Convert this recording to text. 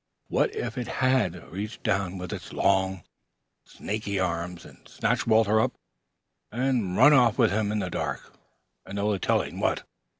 What if it had reached down with its long, snaky arms and snatched Walter up and run off with him in the dark and no telling what?